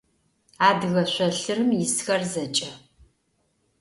Adıge şsolhırım yisxer zeç'e.